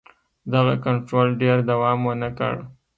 دغه کنټرول ډېر دوام ونه کړ.